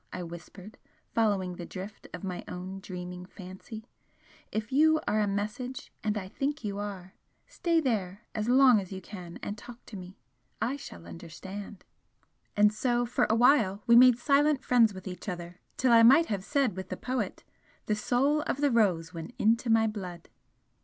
I whispered, following the drift of my own dreaming fancy "If you are a message and I think you are I stay there as long as you can and talk to me! I shall understand!" And so for a while we made silent friends with each other till I might have said with the poet 'The soul of the rose went into my blood.'